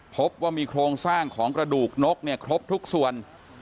พบว่ามีโครงสร้างของกระดูกนกเนี่ยครบทุกส่วน